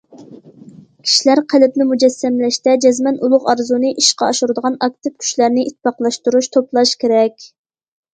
كىشىلەر قەلبىنى مۇجەسسەملەشتە، جەزمەن ئۇلۇغ ئارزۇنى ئىشقا ئاشۇرىدىغان ئاكتىپ كۈچلەرنى ئىتتىپاقلاشتۇرۇش، توپلاش كېرەك.